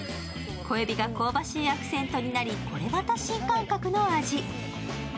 小えびが香ばしいアクセントになり、これまた新感覚の味。